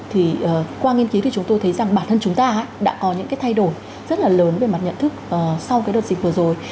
thì qua nghiên cứu thì chúng tôi thấy rằng bản thân chúng ta đã có những cái thay đổi rất là lớn về mặt nhận thức sau cái đợt dịch vừa rồi